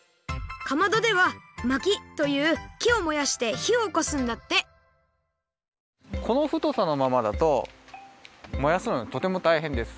かまどではまきというきをもやしてひをおこすんだってこのふとさのままだともやすのがとてもたいへんです。